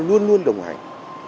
luôn luôn đồng hành